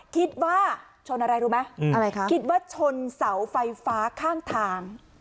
คิดว่าชนอะไรรู้ไหมอะไรคะคิดว่าชนเสาไฟฟ้าข้างทาง